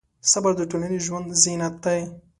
صبر د ټولنیز ژوند زینت دی.